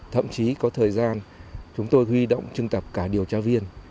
thậm chí có thời gian chúng tôi huy động trưng tập cả điều tra viên